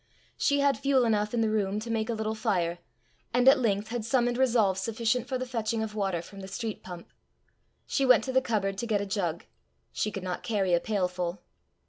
She had fuel enough in the room to make a little fire, and at length had summoned resolve sufficient for the fetching of water from the street pump. She went to the cupboard to get a jug: she could not carry a pailful.